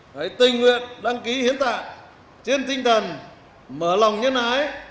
hãy tình nguyện đăng ký hiến tạng trên tinh thần mở lòng nhân ái